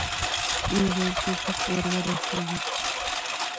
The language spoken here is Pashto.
ويې ويل: ټوپک ور رسېږي!